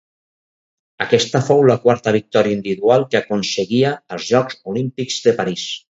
Aquesta fou la quarta victòria individual que aconseguia als Jocs Olímpics de París.